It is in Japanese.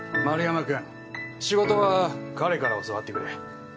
丸山くん仕事は彼から教わってくれ。